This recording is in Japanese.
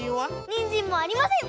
にんじんもありません！